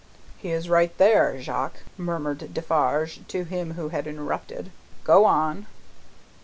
"He is right there, Jacques," murmured Defarge, to him who had interrupted. "Go on!"